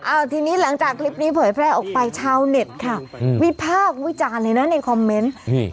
เอาทีนี้หลังจากคลิปนี้เผยแพร่ออกไปชาวเน็ตค่ะอืมวิพากษ์วิจารณ์เลยนะในคอมเมนต์นี่